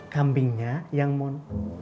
kambingnya yang mon